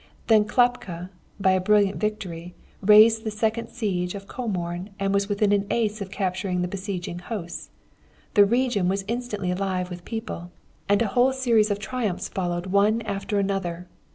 Then Klapka, by a brilliant victory, raised the second siege of Comorn and was within an ace of capturing the besieging host. The region was instantly alive with people, and a whole series of triumphs followed one after another.